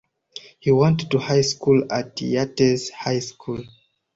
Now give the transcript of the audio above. He went to high school at Yates High School.